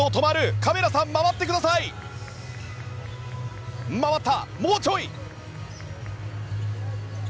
カメラ、回った、もうちょい！